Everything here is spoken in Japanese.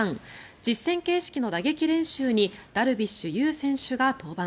実戦形式の打撃練習にダルビッシュ有投手が登板。